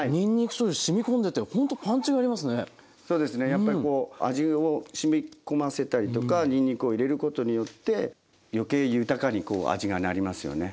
やっぱりこう味をしみこませたりとかにんにくを入れることによって余計豊かにこう味がなりますよね。